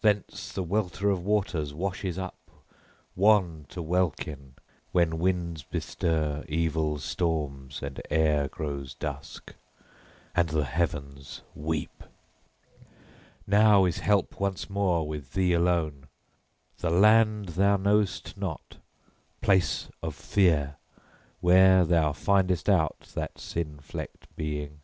Thence the welter of waters washes up wan to welkin when winds bestir evil storms, and air grows dusk, and the heavens weep. Now is help once more with thee alone! The land thou knowst not, place of fear, where thou findest out that sin flecked being.